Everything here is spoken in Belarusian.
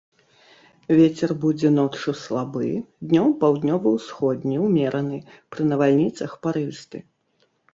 Вецер будзе ноччу слабы, днём паўднёва-ўсходні, умераны, пры навальніцах парывісты.